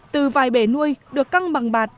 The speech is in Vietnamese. từ vài bể nuôi được căng bằng bạt